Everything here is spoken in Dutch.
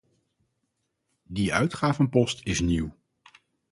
Die uitgavenpost is nieuw.